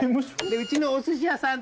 うちのお寿司屋さん